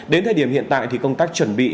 đến thời điểm hiện tại thì công tác chuẩn bị